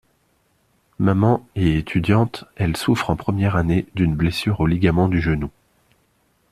Maman et étudiante, elle souffre en première année d'une blessure aux ligaments du genou.